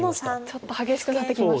ちょっと激しくなってきましたね。